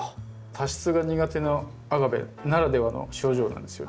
多湿が苦手なアガベならではの症状なんですよ。